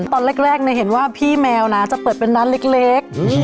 ตอนแรกเห็นว่าพี่แมวนะจะเปิดเป็นร้านเล็ก